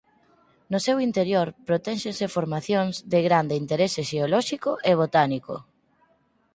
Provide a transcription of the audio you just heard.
No seu interior protéxense formacións de grande interese xeolóxico e botánico.